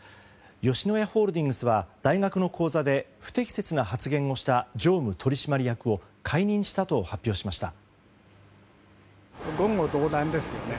吉野家ホールディングスは大学の講座で不適切な発言をした常務取締役を解任したと発表しました。